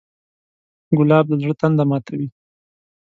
ګلاب د زړه تنده ماتوي.